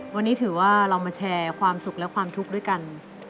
วันนี้ถือว่าเรามาแชร์ความสุขและความทุกข์ด้วยกัน